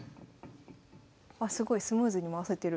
あすごいスムーズに回せてる。